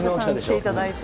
来ていただいて。